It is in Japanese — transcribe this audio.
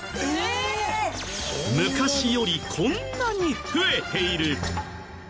昔よりこんなに増えている！